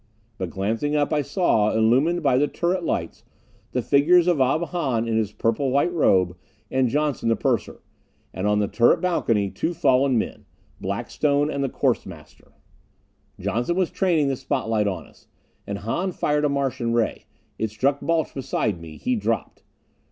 But, glancing up, I saw, illumined by the turret lights, the figures of Ob Hahn in his purple white robe, and Johnson the purser. And on the turret balcony, two fallen men Blackstone and the course master. Johnson was training the spotlight on us. And Hahn fired a Martian ray. It struck Balch beside me. He dropped.